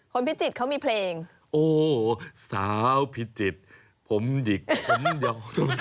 คนพิจิตเขามีเพลง